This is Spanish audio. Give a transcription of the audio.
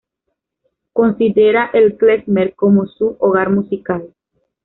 Considera el klezmer como su "hogar musical".